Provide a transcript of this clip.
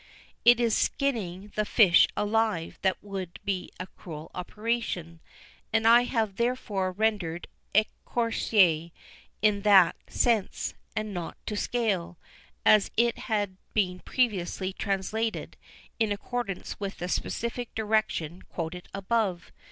It is skinning the fish alive that would be a cruel operation, and I have therefore rendered "écorcher" in that sense, and not to scale, as it had been previously translated, in accordance with the specific direction quoted above.